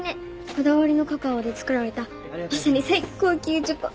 こだわりのカカオで作られたまさに最高級チョコ！